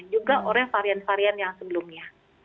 juga oleh varian varian yang sebelumnya